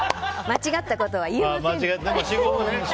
間違ったことは言えませんから。